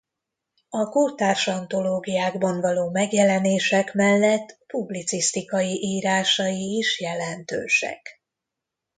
A kortárs antológiákban való megjelenések mellett publicisztikai írásai is jelentősek.